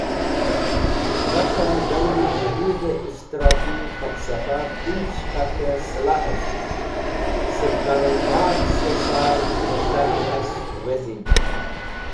Albata Dawri Jadiede Ishtiraki Falsafa pish k̃hake Salahes̃h sẽk Karl Marks e Saar vindake bas wezin.